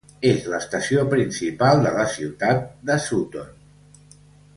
És l'estació principal de la ciutat de Sutton.